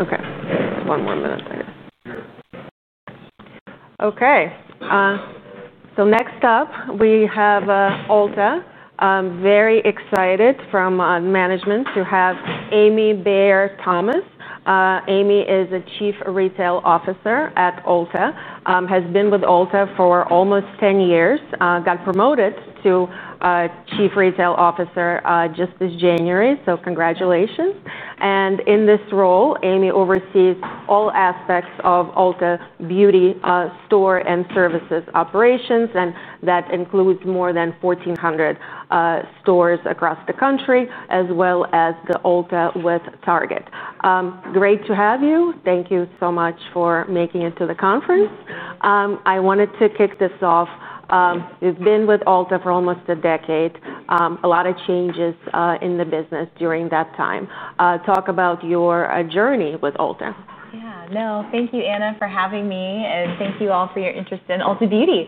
Okay, one more minute. Okay. Next up, we have Ulta Beauty. I'm very excited from management to have Amiee Bayer-Thomas. Amiee is the Chief Retail Officer at Ulta Beauty, has been with Ulta Beauty for almost 10 years, got promoted to Chief Retail Officer just this January. Congratulations. In this role, Amiee oversees all aspects of Ulta Beauty Store and Services operations, and that includes more than 1,400 stores across the country, as well as the Ulta Beauty with Target. Great to have you. Thank you so much for making it to the conference. I wanted to kick this off. You've been with Ulta Beauty for almost a decade. A lot of changes in the business during that time. Talk about your journey with Ulta Beauty. Yeah, no, thank you, Anna, for having me. Thank you all for your interest in Ulta Beauty.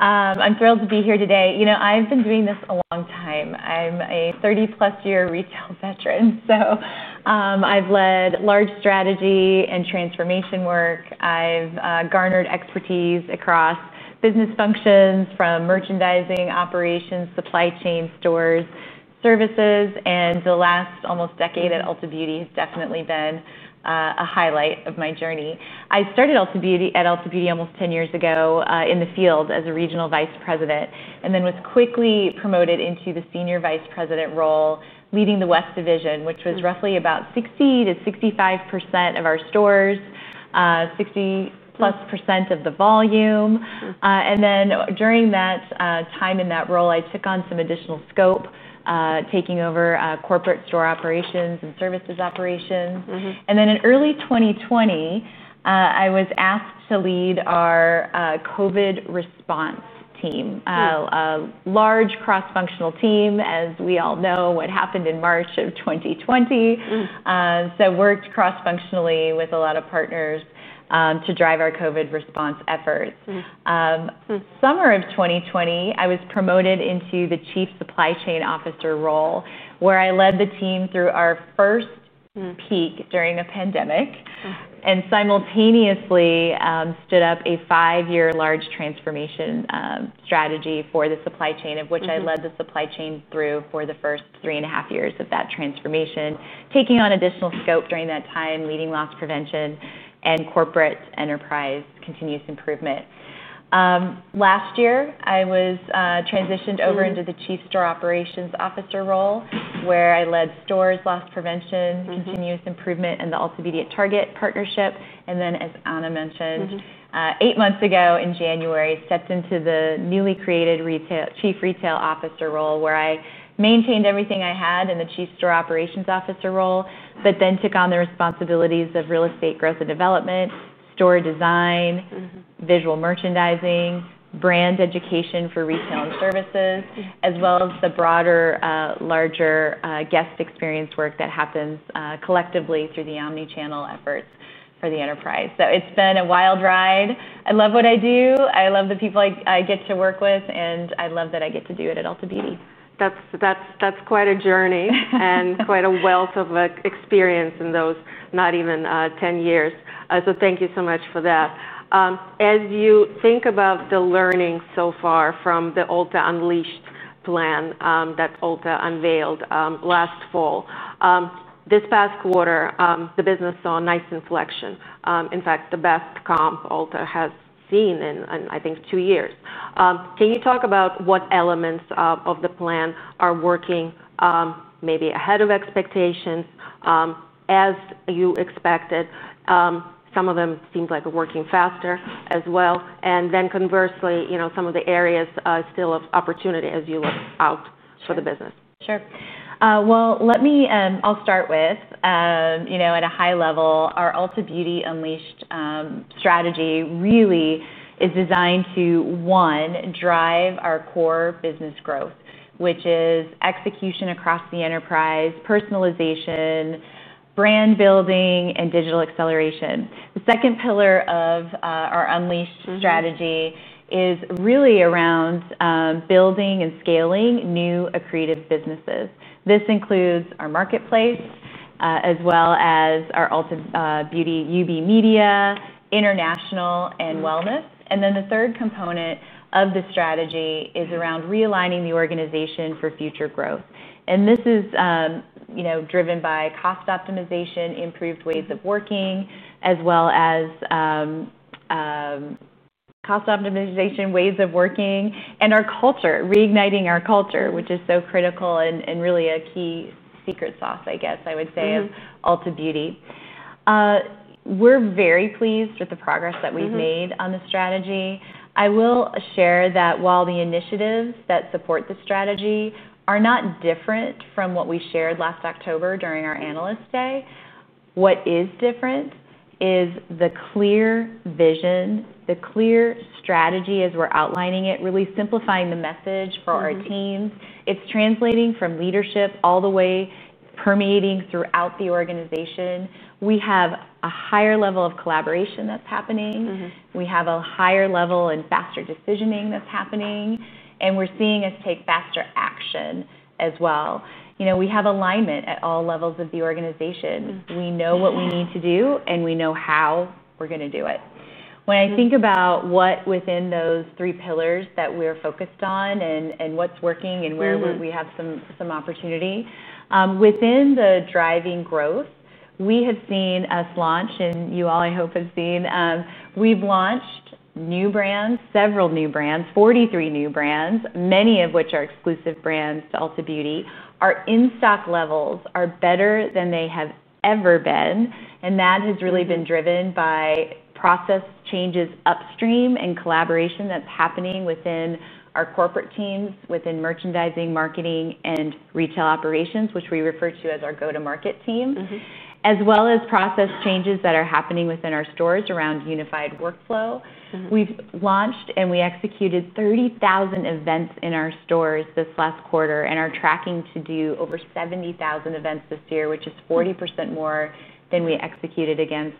I'm thrilled to be here today. You know, I've been doing this a long time. I'm a 30-plus-year retail veteran. I've led large strategy and transformation work. I've garnered expertise across business functions from merchandising, operations, supply chain, stores, services. The last almost decade at Ulta Beauty has definitely been a highlight of my journey. I started at Ulta Beauty almost 10 years ago in the field as a Regional Vice President, and then was quickly promoted into the Senior Vice President role, leading the West Division, which was roughly about 60 to 65% of our stores, 60+% of the volume. During that time in that role, I took on some additional scope, taking over corporate store operations and services operations. In early 2020, I was asked to lead our COVID response team, a large cross-functional team, as we all know what happened in March of 2020. I worked cross-functionally with a lot of partners to drive our COVID response efforts. Summer of 2020, I was promoted into the Chief Supply Chain Officer role, where I led the team through our first peak during a pandemic and simultaneously stood up a five-year large transformation strategy for the supply chain, of which I led the supply chain through for the first three and a half years of that transformation, taking on additional scope during that time, leading loss prevention and corporate enterprise continuous improvement. Last year, I was transitioned over into the Chief Store Operations Officer role, where I led stores, loss prevention, continuous improvement, and the Ulta Beauty at Target partnership. As Anna mentioned, eight months ago in January, I stepped into the newly created Chief Retail Officer role, where I maintained everything I had in the Chief Store Operations Officer role, but then took on the responsibilities of real estate growth and development, store design, visual merchandising, brand education for retail and services, as well as the broader, larger guest experience work that happens collectively through the omnichannel efforts for the enterprise. It's been a wild ride. I love what I do. I love the people I get to work with, and I love that I get to do it at Ulta Beauty. That's quite a journey and quite a wealth of experience in those not even 10 years. Thank you so much for that. As you think about the learnings so far from the Ulta Unleashed plan that Ulta Beauty unveiled last fall, this past quarter the business saw a nice inflection. In fact, the best comp Ulta Beauty has seen in, I think, two years. Can you talk about what elements of the plan are working maybe ahead of expectations? As you expected, some of them seemed like working faster as well. Conversely, you know, some of the areas still of opportunity as you look out for the business. Sure. Let me start with, you know, at a high level, our Ulta Beauty Unleashed strategy really is designed to, one, drive our core business growth, which is execution across the enterprise, personalization, brand building, and digital acceleration. The second pillar of our Unleashed strategy is really around building and scaling new, creative businesses. This includes our marketplace, as well as our Ulta Beauty UB Media, International, and Wellness. The third component of the strategy is around realigning the organization for future growth. This is driven by cost optimization, improved ways of working, as well as cost optimization, ways of working, and our culture, reigniting our culture, which is so critical and really a key secret sauce, I guess I would say, of Ulta Beauty. We're very pleased with the progress that we've made on the strategy. I will share that while the initiatives that support the strategy are not different from what we shared last October during our analyst day, what is different is the clear vision, the clear strategy as we're outlining it, really simplifying the message for our teams. It's translating from leadership all the way, permeating throughout the organization. We have a higher level of collaboration that's happening. We have a higher level and faster decisioning that's happening. We're seeing us take faster action as well. We have alignment at all levels of the organization. We know what we need to do, and we know how we're going to do it. When I think about what within those three pillars that we're focused on and what's working and where we have some opportunity within the driving growth, we have seen us launch, and you all, I hope, have seen, we've launched new brands, several new brands, 43 new brands, many of which are exclusive brands to Ulta Beauty. Our in-stock levels are better than they have ever been. That has really been driven by process changes upstream and collaboration that's happening within our corporate teams, within merchandising, marketing, and retail operations, which we refer to as our go-to-market team, as well as process changes that are happening within our stores around unified workflow. We've launched and we executed 30,000 events in our stores this last quarter and are tracking to do over 70,000 events this year, which is 40% more than we executed against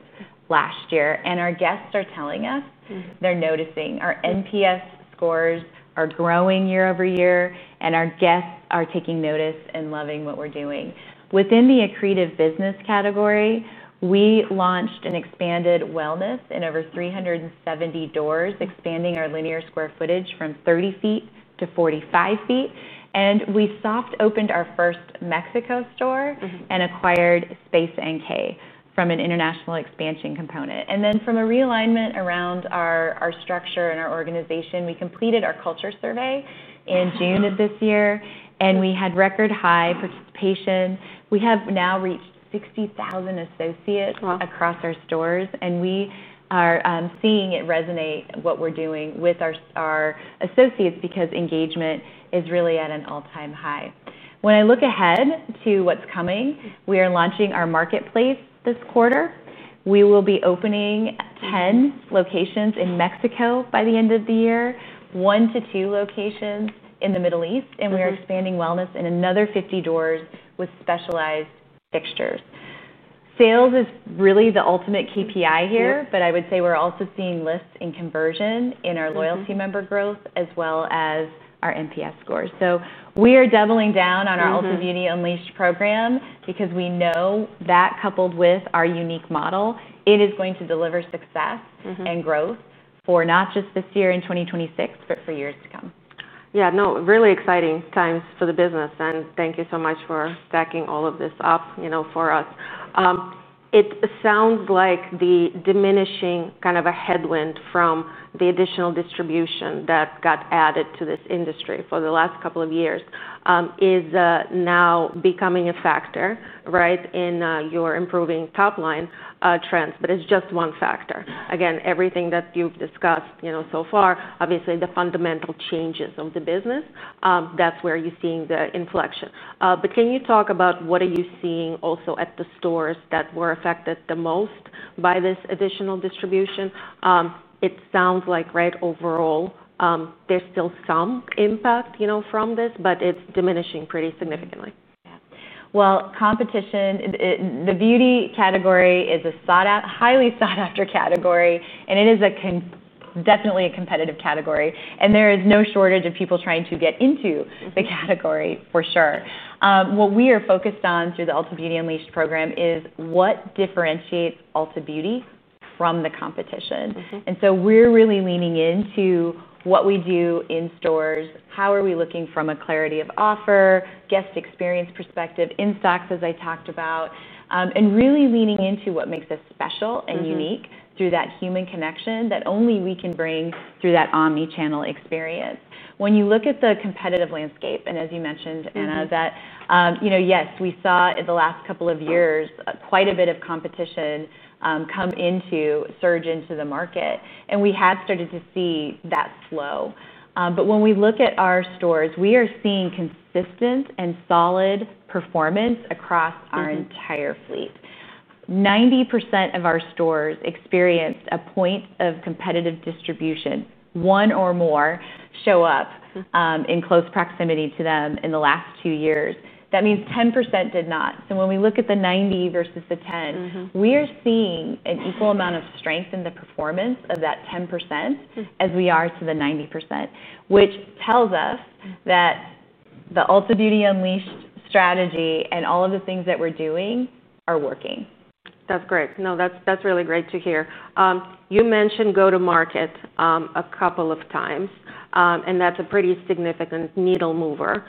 last year. Our guests are telling us they're noticing our NPS scores are growing year over year, and our guests are taking notice and loving what we're doing. Within the creative business category, we launched and expanded Wellness in over 370 doors, expanding our linear square footage from 30 feet to 45 feet. We soft opened our first Mexico store and acquired Space NK from an international expansion component. From a realignment around our structure and our organization, we completed our culture survey in June of this year, and we had record high participation. We have now reached 60,000 associates across our stores, and we are seeing it resonate what we're doing with our associates because engagement is really at an all-time high. When I look ahead to what's coming, we are launching our marketplace this quarter. We will be opening 10 locations in Mexico by the end of the year, one to two locations in the Middle East, and we are expanding Wellness in another 50 doors with specialized fixtures. Sales is really the ultimate KPI here, but I would say we're also seeing lifts in conversion in our loyalty member growth, as well as our NPS scores. We are doubling down on our Ulta Beauty Unleashed program because we know that coupled with our unique model, it is going to deliver success and growth for not just this year in 2026, but for years to come. Yeah, no, really exciting times for the business. Thank you so much for stacking all of this up for us. It sounds like the diminishing kind of a headwind from the additional distribution that got added to this industry for the last couple of years is now becoming a factor in your improving top-line trends, but it's just one factor. Again, everything that you've discussed so far, obviously the fundamental changes of the business, that's where you're seeing the inflection. Can you talk about what are you seeing also at the stores that were affected the most by this additional distribution? It sounds like overall, there's still some impact from this, but it's diminishing pretty significantly. Yeah. Competition, the beauty category is a sought-out, highly sought-after category, and it is definitely a competitive category. There is no shortage of people trying to get into the category for sure. What we are focused on through the Ulta Beauty Unleashed program is what differentiates Ulta Beauty from the competition. We are really leaning into what we do in stores, how are we looking from a clarity of offer, guest experience perspective, in stocks, as I talked about, and really leaning into what makes us special and unique through that human connection that only we can bring through that omnichannel experience. When you look at the competitive landscape, and as you mentioned, Anna, yes, we saw in the last couple of years quite a bit of competition come into surge into the market. We have started to see that flow. When we look at our stores, we are seeing consistent and solid performance across our entire fleet. 90% of our stores experienced a point of competitive distribution, one or more show up in close proximity to them in the last two years. That means 10% did not. When we look at the 90% versus the 10%, we are seeing an equal amount of strength in the performance of that 10% as we are to the 90%, which tells us that the Ulta Beauty Unleashed strategy and all of the things that we're doing are working. That's great. No, that's really great to hear. You mentioned go-to-market a couple of times, and that's a pretty significant needle mover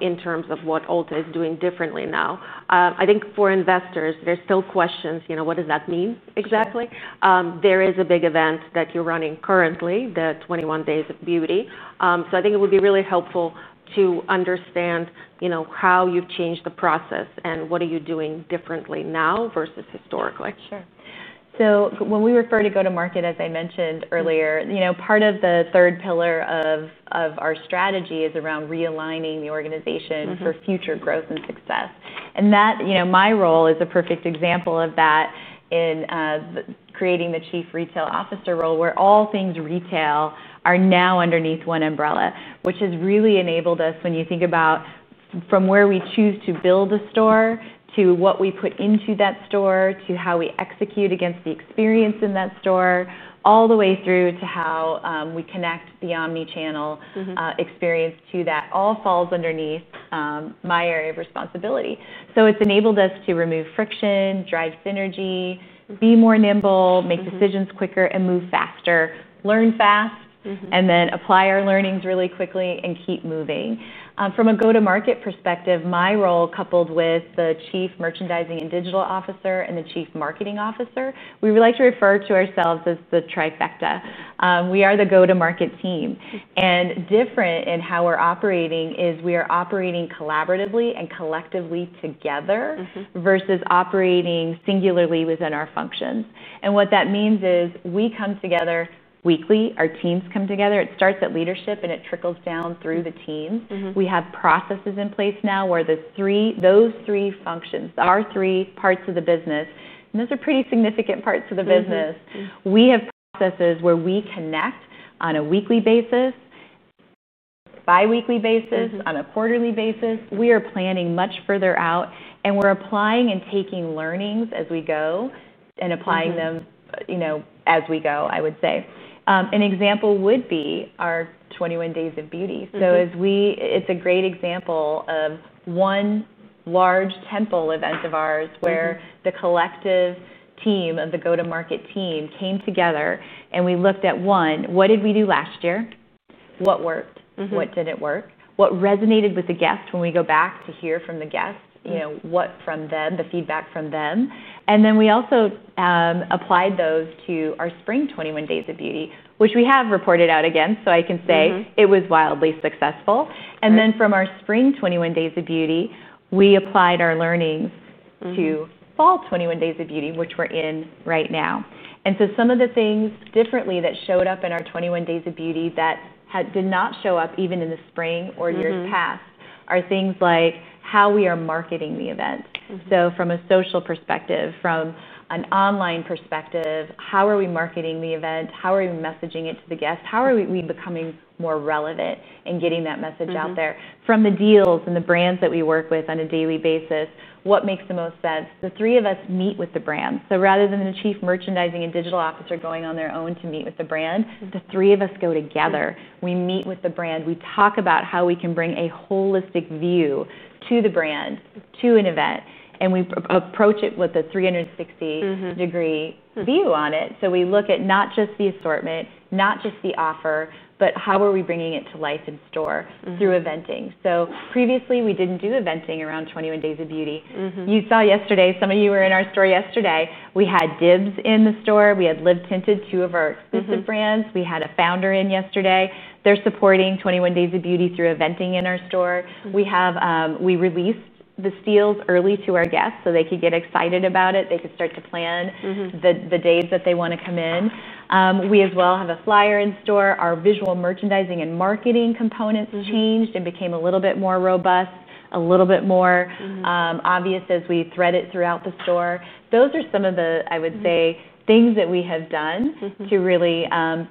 in terms of what Ulta Beauty is doing differently now. I think for investors, there's still questions, you know, what does that mean exactly? There is a big event that you're running currently, the 21 Days of Beauty. I think it would be really helpful to understand, you know, how you've changed the process and what are you doing differently now versus historically. Sure. When we refer to go-to-market, as I mentioned earlier, part of the third pillar of our strategy is around realigning the organization for future growth and success. My role is a perfect example of that in creating the Chief Retail Officer role, where all things retail are now underneath one umbrella, which has really enabled us when you think about from where we choose to build a store to what we put into that store, to how we execute against the experience in that store, all the way through to how we connect the omnichannel experience to that, all falls underneath my area of responsibility. It has enabled us to remove friction, drive synergy, be more nimble, make decisions quicker, and move faster, learn fast, and then apply our learnings really quickly and keep moving. From a go-to-market perspective, my role coupled with the Chief Merchandising and Digital Officer and the Chief Marketing Officer, we like to refer to ourselves as the trifecta. We are the go-to-market team. Different in how we're operating is we are operating collaboratively and collectively together versus operating singularly within our functions. What that means is we come together weekly, our teams come together, it starts at leadership and it trickles down through the teams. We have processes in place now where those three functions, our three parts of the business, and those are pretty significant parts of the business. We have processes where we connect on a weekly basis, bi-weekly basis, on a quarterly basis. We are planning much further out and we're applying and taking learnings as we go and applying them as we go, I would say. An example would be our 21 Days of Beauty. It is a great example of one large tentpole event of ours where the collective team of the go-to-market team came together and we looked at one, what did we do last year? What worked? What didn't work? What resonated with the guests? When we go back to hear from the guests, what from them, the feedback from them. We also applied those to our spring 21 Days of Beauty, which we have reported out against, so I can say it was wildly successful. From our spring 21 Days of Beauty, we applied our learnings to fall 21 Days of Beauty, which we're in right now. Some of the things differently that showed up in our 21 Days of Beauty that did not show up even in the spring or years past are things like how we are marketing the event. From a social perspective, from an online perspective, how are we marketing the event? How are we messaging it to the guests? How are we becoming more relevant and getting that message out there? From the deals and the brands that we work with on a daily basis, what makes the most sense? The three of us meet with the brand. Rather than the Chief Merchandising and Digital Officer going on their own to meet with the brand, the three of us go together. We meet with the brand. We talk about how we can bring a holistic view to the brand, to an event. We approach it with a 360-degree view on it. We look at not just the assortment, not just the offer, but how are we bringing it to life in store through eventing. Previously, we didn't do eventing around 21 Days of Beauty. You saw yesterday, some of you were in our store yesterday. We had DIBS in the store. We had Live Tinted, two of our brands. We had a founder in yesterday. They're supporting 21 Days of Beauty through eventing in our store. We released the steals early to our guests so they could get excited about it. They could start to plan the days that they want to come in. We as well have a flyer in store. Our visual merchandising and marketing components changed and became a little bit more robust, a little bit more obvious as we thread it throughout the store. Those are some of the things that we have done to really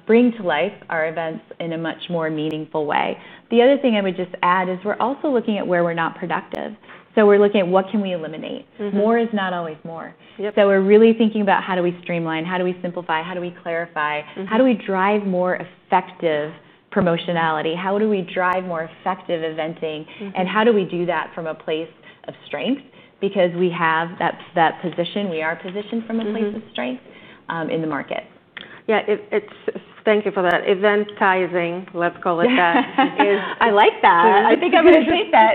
bring to life our events in a much more meaningful way. The other thing I would just add is we're also looking at where we're not productive. We're looking at what can we eliminate. More is not always more. We're really thinking about how do we streamline, how do we simplify, how do we clarify, how do we drive more effective promotionality? How do we drive more effective eventing? How do we do that from a place of strength? Because we have that position, we are positioned from a place of strength in the market. Yeah, thank you for that. Eventizing, let's call it that. I like that. I think I'm going to take that.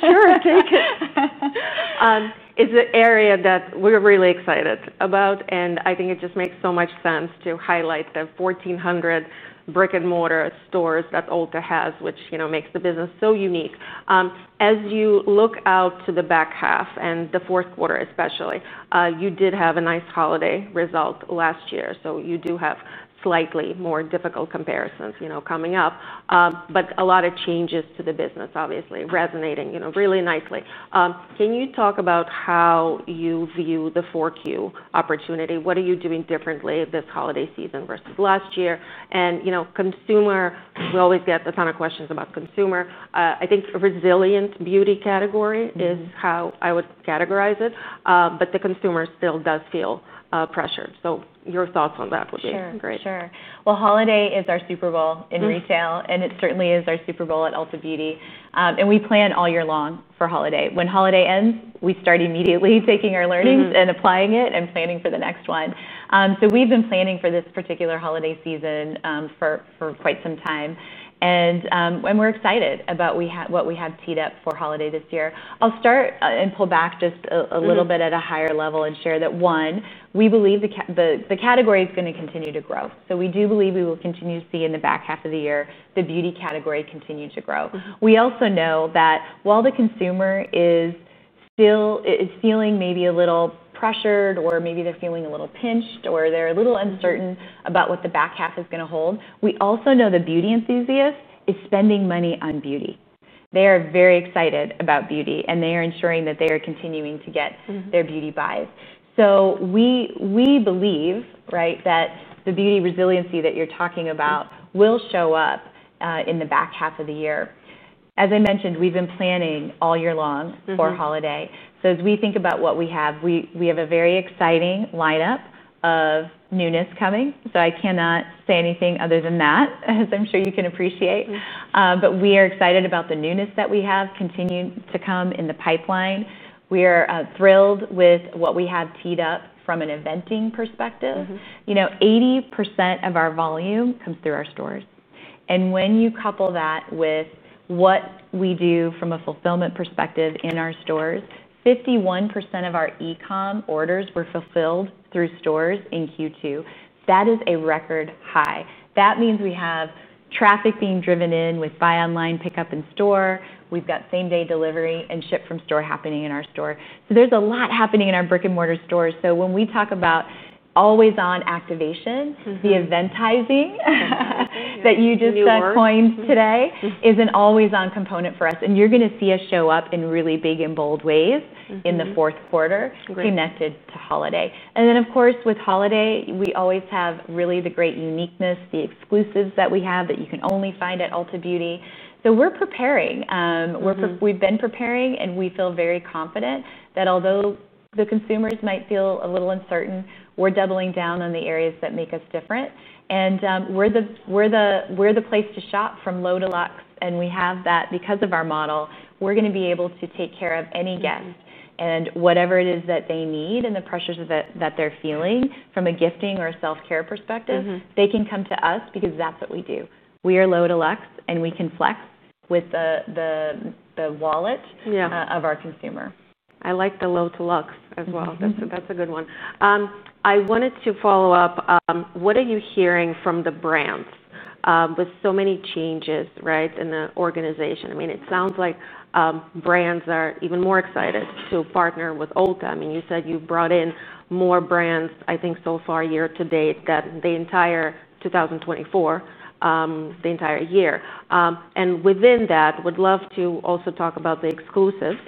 Sure, take it. It's an area that we're really excited about. I think it just makes so much sense to highlight the 1,400 brick-and-mortar stores that Ulta Beauty has, which makes the business so unique. As you look out to the back half and the fourth quarter, especially, you did have a nice holiday result last year. You do have slightly more difficult comparisons coming up. A lot of changes to the business, obviously, resonating really nicely. Can you talk about how you view the 4Q opportunity? What are you doing differently this holiday season versus last year? Consumer, we always get a ton of questions about consumer. I think resilient beauty category is how I would categorize it. The consumer still does feel pressured. Your thoughts on that would be great. Sure. Holiday is our Super Bowl in retail, and it certainly is our Super Bowl at Ulta Beauty. We plan all year long for holiday. When holiday ends, we start immediately taking our learnings and applying it and planning for the next one. We have been planning for this particular holiday season for quite some time. We are excited about what we have teed up for holiday this year. I'll start and pull back just a little bit at a higher level and share that, one, we believe the category is going to continue to grow. We do believe we will continue to see in the back half of the year, the beauty category continue to grow. We also know that while the consumer is still feeling maybe a little pressured or maybe they're feeling a little pinched or they're a little uncertain about what the back half is going to hold, we also know the beauty enthusiast is spending money on beauty. They are very excited about beauty, and they are ensuring that they are continuing to get their beauty buys. We believe that the beauty resiliency that you're talking about will show up in the back half of the year. As I mentioned, we've been planning all year long for holiday. As we think about what we have, we have a very exciting lineup of newness coming. I cannot say anything other than that, as I'm sure you can appreciate. We are excited about the newness that we have continuing to come in the pipeline. We are thrilled with what we have teed up from an eventing perspective. 80% of our volume comes through our stores. When you couple that with what we do from a fulfillment perspective in our stores, 51% of our e-com orders were fulfilled through stores in Q2. That is a record high. That means we have traffic being driven in with buy online, pick up in store. We've got same-day delivery and ship from store happening in our store. There is a lot happening in our brick-and-mortar stores. When we talk about always-on activation, the eventizing that you just coined today is an always-on component for us. You're going to see us show up in really big and bold ways in the fourth quarter connected to holiday. Of course, with holiday, we always have really the great uniqueness, the exclusives that we have that you can only find at Ulta Beauty. We are preparing. We've been preparing, and we feel very confident that although the consumers might feel a little uncertain, we're doubling down on the areas that make us different. We are the place to shop from low to luxe, and we have that because of our model. We're going to be able to take care of any guest, and whatever it is that they need and the pressures that they're feeling from a gifting or a self-care perspective, they can come to us because that's what we do. We are low to luxe, and we can flex with the wallet of our consumer. I like the low to luxe as well. That's a good one. I wanted to follow up. What are you hearing from the brands with so many changes in the organization? I mean, it sounds like brands are even more excited to partner with Ulta Beauty. You said you brought in more brands, I think, so far year to date than the entire 2024, the entire year. Within that, I would love to also talk about the exclusives.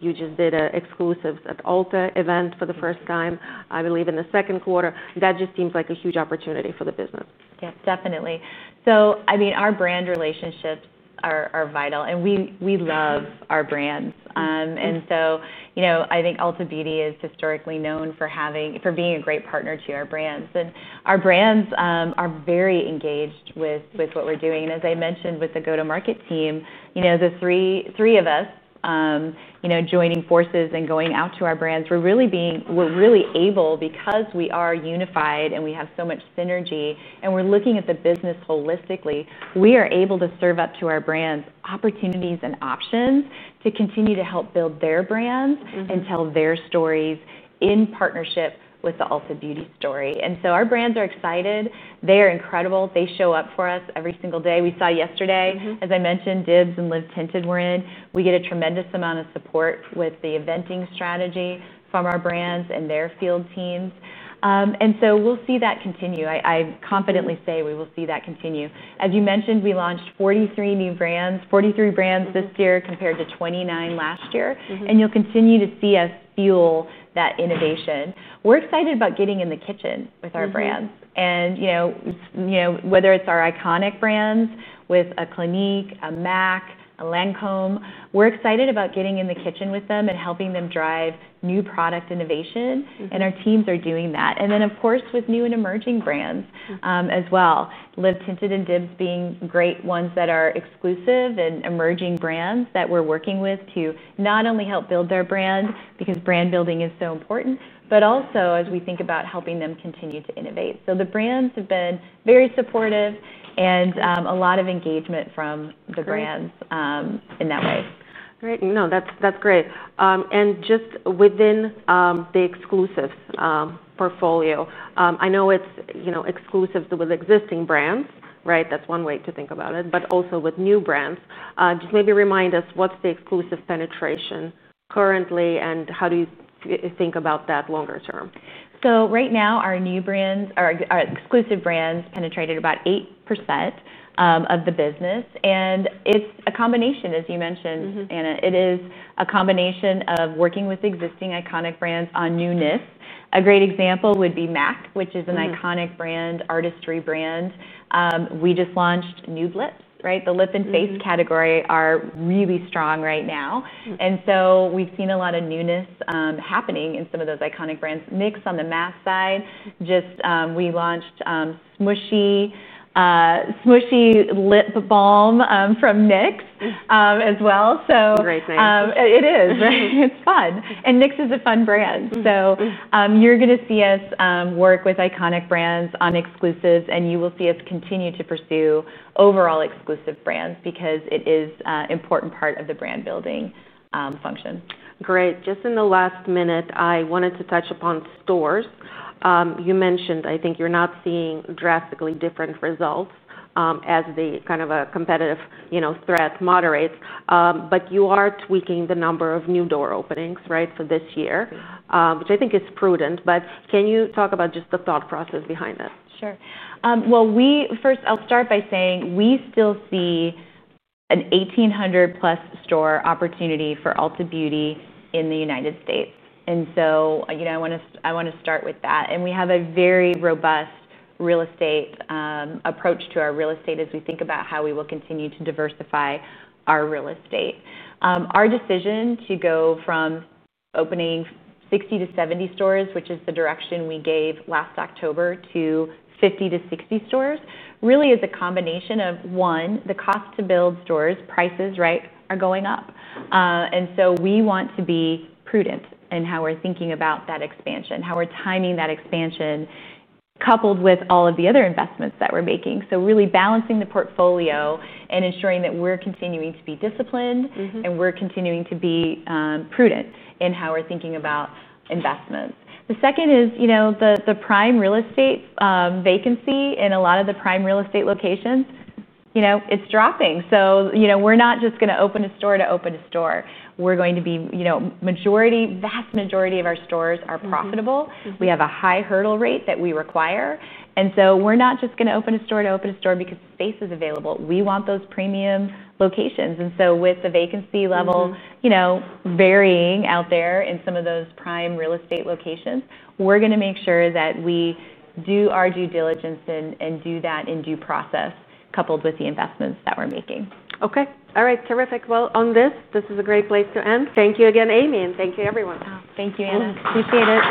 You just did an exclusive at Ulta Beauty event for the first time, I believe, in the second quarter. That just seemed like a huge opportunity for the business. Yes, definitely. Our brand relationships are vital, and we love our brands. I think Ulta Beauty is historically known for being a great partner to our brands. Our brands are very engaged with what we're doing. As I mentioned with the go-to-market team, the three of us joining forces and going out to our brands, we're really able, because we are unified and we have so much synergy and we're looking at the business holistically, to serve up to our brands opportunities and options to continue to help build their brands and tell their stories in partnership with the Ulta Beauty story. Our brands are excited. They are incredible. They show up for us every single day. We saw yesterday, as I mentioned, DIBS and Live Tinted were in. We get a tremendous amount of support with the eventing strategy from our brands and their field teams. We'll see that continue. I confidently say we will see that continue. As you mentioned, we launched 43 new brands, 43 brands this year compared to 29 last year. You'll continue to see us fuel that innovation. We're excited about getting in the kitchen with our brands. Whether it's our iconic brands with a Clinique, a MAC, a Lancôme, we're excited about getting in the kitchen with them and helping them drive new product innovation. Our teams are doing that. Then, of course, with new and emerging brands as well, Live Tinted and DIBS being great ones that are exclusive and emerging brands that we're working with to not only help build their brand because brand building is so important, but also as we think about helping them continue to innovate. The brands have been very supportive and a lot of engagement from the brands in that way. Great. No, that's great. Within the exclusive portfolio, I know it's exclusive with existing brands, right? That's one way to think about it, but also with new brands. Maybe remind us what's the exclusive penetration currently and how do you think about that longer term? Right now, our new brands, our exclusive brands penetrated about 8% of the business. It's a combination, as you mentioned, Anna. It is a combination of working with existing iconic brands on newness. A great example would be MAC, which is an iconic brand, artistry brand. We just launched new lips, right? The lip and face category are really strong right now. We've seen a lot of newness happening in some of those iconic brands. NYX on the mass side, we just launched Smooshie lip balm from NYX as well. Great, thanks. It is, right? It's fun. NYX is a fun brand. You are going to see us work with iconic brands on exclusives, and you will see us continue to pursue overall exclusive brands because it is an important part of the brand building function. Great. Just in the last minute, I wanted to touch upon stores. You mentioned, I think you're not seeing drastically different results as the kind of a competitive threat moderates. You are tweaking the number of new door openings, right, for this year, which I think is prudent. Can you talk about just the thought process behind that? Sure. I’ll start by saying we still see an 1,800 plus store opportunity for Ulta Beauty in the United States. I want to start with that. We have a very robust real estate approach to our real estate as we think about how we will continue to diversify our real estate. Our decision to go from opening 60 to 70 stores, which is the direction we gave last October, to 50 to 60 stores really is a combination of, one, the cost to build stores, prices, right, are going up. We want to be prudent in how we're thinking about that expansion, how we're timing that expansion coupled with all of the other investments that we're making. Really balancing the portfolio and ensuring that we're continuing to be disciplined and we're continuing to be prudent in how we're thinking about investments. The second is, the prime real estate vacancy in a lot of the prime real estate locations, it's dropping. We're not just going to open a store to open a store. The vast majority of our stores are profitable. We have a high hurdle rate that we require. We're not just going to open a store to open a store because space is available. We want those premium locations. With the vacancy level varying out there in some of those prime real estate locations, we're going to make sure that we do our due diligence and do that in due process coupled with the investments that we're making. Okay. All right. Terrific. This is a great place to end. Thank you again, Amiee, and thank you, everyone. Thank you, Anna. Appreciate it.